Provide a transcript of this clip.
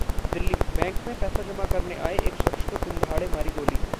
Delhi: bank में पैसा जमा करने आए एक शख्स को दिनदहाड़े मारी गोली